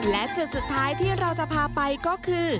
และจุดสุดท้ายที่เราจะพาไปก็คือ